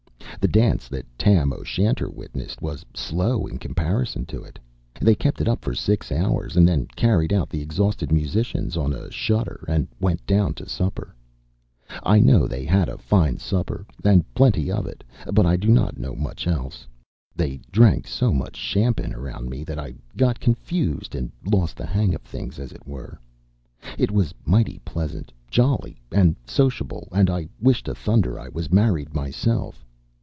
The dance that Tam O'Shanter witnessed was slow in comparison to it. They kept it up for six hours, and then carried out the exhausted musicians on a shutter, and went down to supper. I know they had a fine supper, and plenty of it, but I do not know much else. They drank so much shampin around me that I got confused, and lost the hang of things, as it were.... It was mighty pleasant, jolly and sociable, and I wish to thunder I was married myself.